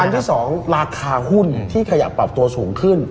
อันที่๒ราคาหุ้นที่เขาอยากปรับตัวสูงขึ้น